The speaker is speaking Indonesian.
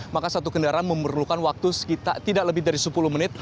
maka satu kendaraan memerlukan waktu sekitar tidak lebih dari sepuluh menit